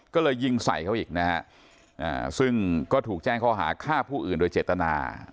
ก็เลยยิงใส่เขาอีกนะฮะซึ่งก็ถูกแจ้งข้อหาฆ่าผู้อื่นโดยเจตนา